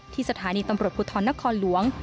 ที่สถานีตำรวจพุทธรณครหลวง